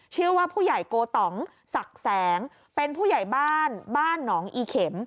ชื่อว่าผู้ใหญ่โกตองศักดิ์แสงเป็นผู้ใหญ่บ้านบ้านหนองอีเข็ม